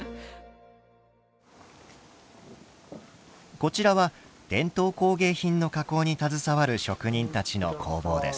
こちらは伝統工芸品の加工に携わる職人たちの工房です。